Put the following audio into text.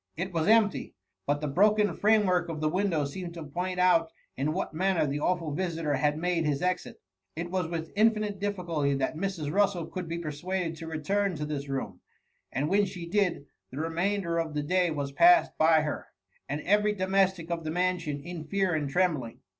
It was empty— but the broken frame work of the window seemed to point out in what manner the awful visitor had made bis exit. It was with infinite difficulty that Mrs. Russel could be persuaded to return to this room ; and when she did, the remainder of the day was passed by her, and every domestic of the mansion, in fear and trembling.